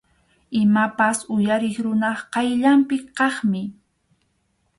Imapas uyariq runap qayllanpi kaqmi.